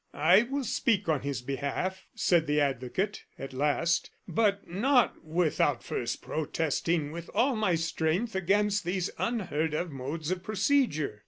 "I will speak in his behalf," said the advocate, at last, "but not without first protesting with all my strength against these unheard of modes of procedure."